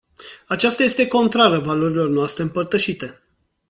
Aceasta este contrară valorilor noastre împărtășite.